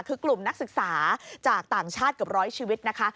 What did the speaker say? คือกลุ่มนักศึกษาจากต่างชาติเกือบร้อยชีวิตนะคะ